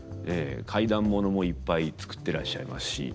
怪談物もいっぱい作ってらっしゃいますし。